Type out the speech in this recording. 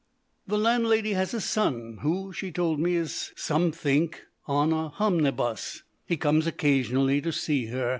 The landlady has a son who, she told me, is "somethink on a homnibus". He comes occasionally to see her.